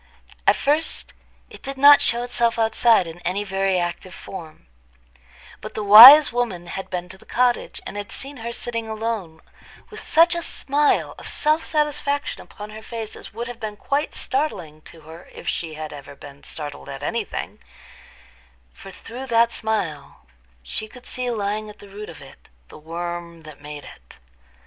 At first it did not show itself outside in any very active form; but the wise woman had been to the cottage, and had seen her sitting alone, with such a smile of self satisfaction upon her face as would have been quite startling to her, if she had ever been startled at any thing; for through that smile she could see lying at the root of it the worm that made it.